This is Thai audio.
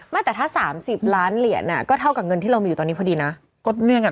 ไม่แต่ถ้า๓๐ล้านเหรียญอ่ะก็เท่ากับเงินที่เรามีอยู่ตอนนี้พอดีนะ